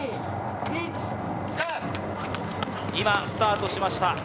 今、スタートしました。